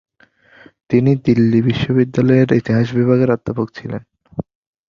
তিনি দিল্লি বিশ্ববিদ্যালয়ের ইতিহাস বিভাগের অধ্যাপক ছিলেন।